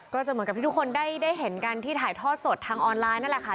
ก็จะเหมือนกับที่ทุกคนได้เห็นกันที่ถ่ายทอดสดทางออนไลน์นั่นแหละค่ะ